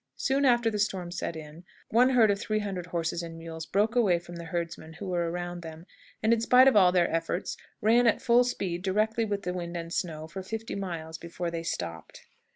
Soon after the storm set in, one herd of three hundred horses and mules broke away from the herdsmen who were around them, and, in spite of all their efforts, ran at full speed, directly with the wind and snow, for fifty miles before they stopped.